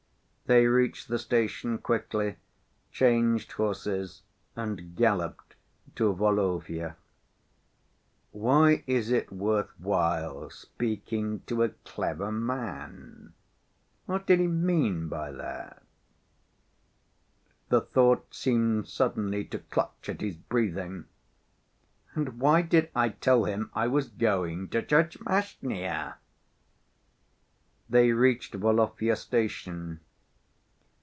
They reached the station quickly, changed horses, and galloped to Volovya. "Why is it worth while speaking to a clever man? What did he mean by that?" The thought seemed suddenly to clutch at his breathing. "And why did I tell him I was going to Tchermashnya?" They reached Volovya station.